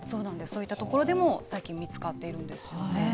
そういった所でも、最近見つかっているんですよね。